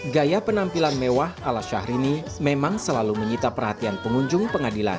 gaya penampilan mewah ala syahrini memang selalu menyita perhatian pengunjung pengadilan